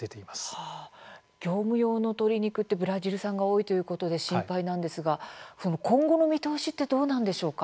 業務用の鶏肉ってブラジル産が多いということで心配なんですが今後の見通しってどうなんでしょうか。